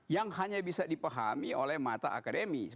yang hanya bisa dipahami oleh mata akademis